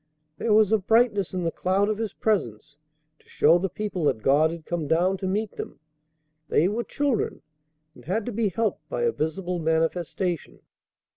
There was a brightness in the cloud of His presence to show the people that God had come down to meet them. They were children, and had to be helped by a visible manifestation."